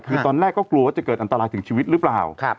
คือตอนแรกก็กลัวว่าจะเกิดอันตรายถึงชีวิตหรือเปล่า